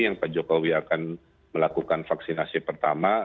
yang pak jokowi akan melakukan vaksinasi pertama